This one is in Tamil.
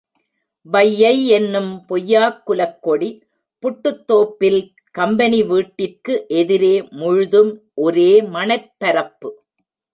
வையை யென்னும் பொய்யாக் குலக் கொடி புட்டுத்தோப்பில் கம்பெனி வீட்டிற்கு எதிரே முழுதும் ஒரே மணற் பரப்பு.